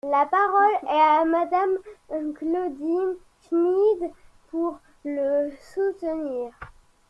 La parole est à Madame Claudine Schmid, pour le soutenir.